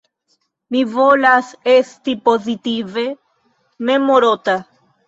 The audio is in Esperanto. Mi volas esti pozitive memorota!